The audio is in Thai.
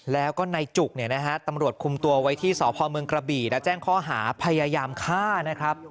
แล้วก็นายจุกเนี่ยนะฮะตำรวจคุมตัวไว้ที่สพเมืองกระบี่และแจ้งข้อหาพยายามฆ่านะครับ